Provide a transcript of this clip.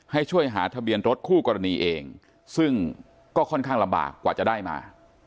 ให้ช่วยหาทะเบียนรถคู่กรณีเองซึ่งก็ค่อนข้างลำบากกว่าจะได้มา